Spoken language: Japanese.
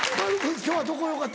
今日はどこよかった？